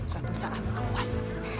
suatu saat awas